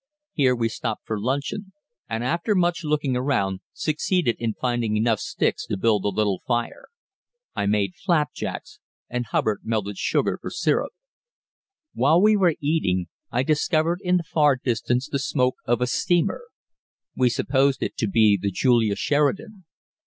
Here we stopped for luncheon, and after much looking around, succeeded in finding enough sticks to build a little fire. I made flapjacks, and Hubbard melted sugar for syrup. While we were eating, I discovered in the far distance the smoke of a steamer. We supposed it to be the Julia Sheridan.